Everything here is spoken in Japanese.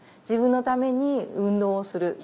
自分のために運動をする。